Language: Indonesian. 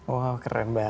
wow keren banget ya